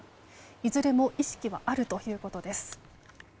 いずれも意識はあるということです。